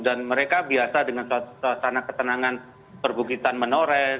dan mereka biasa dengan suasana ketenangan perbukitan menores